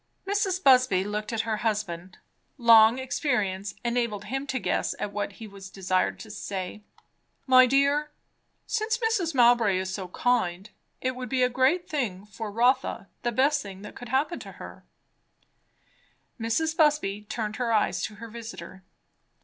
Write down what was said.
Mrs. Busby looked at her husband. Long experience enabled him to guess at what he was desired to say. "My dear since Mrs. Mowbray is so kind it would be a great thing for Rotha the best thing that could happen to her " Mrs. Busby turned her eyes to her visiter.